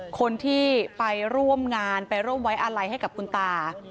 คนที่ไปร่วมงานไปร่วมไว้อาลัยให้กับคุณตา